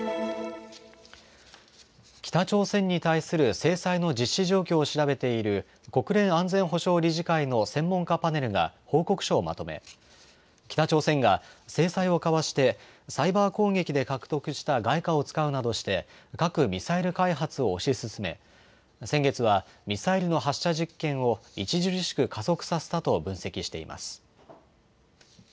北朝鮮に対する制裁の実施状況を調べている、国連安全保障理事会の専門家パネルが報告書をまとめ、北朝鮮が制裁をかわして、サイバー攻撃で獲得した外貨を使うなどして、核・ミサイル開発を推し進め、先月はミサイルの発射実験を著しく加速させたと分析しています。